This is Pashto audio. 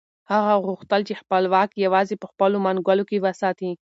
هغه غوښتل چې خپل واک یوازې په خپلو منګولو کې وساتي.